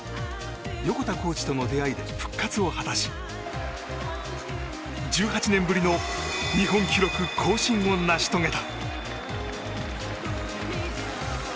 横田コーチとの出会いで復活を果たし１８年ぶりの日本記録更新を成し遂げた。